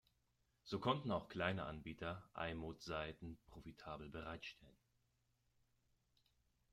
So konnten auch kleine Anbieter i-mode-Seiten profitabel bereitstellen.